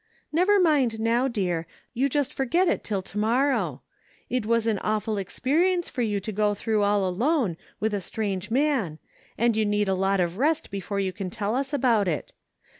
" Never mind now, dear, you just forget it till to morrow. It was an awful experience for you to go through all alone with a strange man, and you need a lot of rest before you can tell us about it.